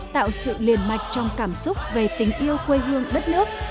tạo sự liền mạch trong cảm xúc về tình yêu quê hương đất nước